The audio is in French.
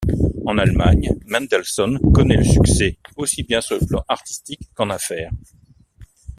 En Allemagne, Mendelsohn connaît le succès, aussi bien sur le plan artistique qu’en affaires.